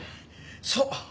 そう！